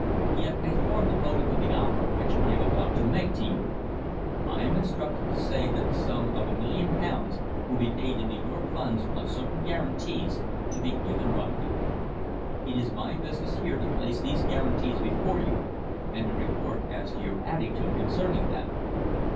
"Yet they form the motive of the offer which I am about to make to you. I am instructed to say that the sum of a million pounds will be paid into your funds on certain guarantees to be given by you. It is my business here to place these guarantees before you and to report as to your attitude concerning them."